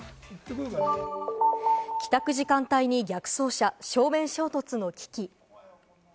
帰宅時間帯に逆走車、正面衝突の危機。